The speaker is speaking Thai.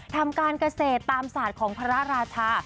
ทำการเกษตรตามศาสตร์ของพระราชา